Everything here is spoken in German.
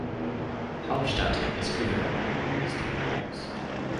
Hauptstadt des Gouvernements ist Homs.